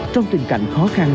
trong tình cảnh khó khăn